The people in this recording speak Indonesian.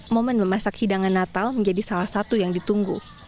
momen memasak hidangan natal menjadi salah satu yang ditunggu